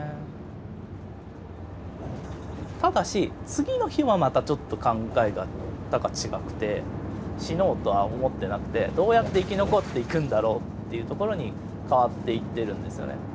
ただし次の日はまたちょっと考えが何か違くて死のうとは思ってなくてどうやって生き残っていくんだろうっていうところに変わっていってるんですよね。